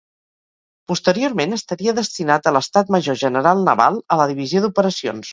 Posteriorment estaria destinat a l'Estat Major General Naval, a la Divisió d'Operacions.